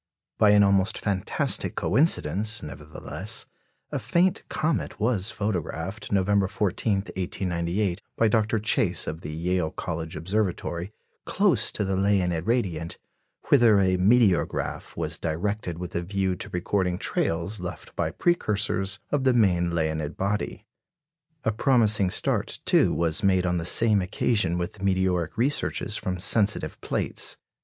By an almost fantastic coincidence, nevertheless, a faint comet was photographed, November 14, 1898, by Dr. Chase, of the Yale College Observatory, close to the Leonid radiant, whither a "meteorograph" was directed with a view to recording trails left by precursors of the main Leonid body. A promising start, too, was made on the same occasion with meteoric researches from sensitive plates.